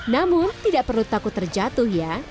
namun tidak perlu takut terjatuh ya